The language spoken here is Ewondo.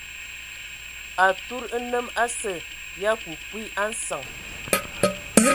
Atud nnəm asə ya kuiki a nsəŋ.